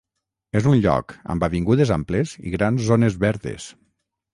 És un lloc amb avingudes amples i grans zones verdes.